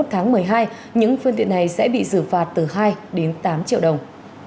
thì vào ngày ba mươi một tháng một mươi hai những phương tiện này sẽ bị giữ phạt từ hai đến tám triệu đồng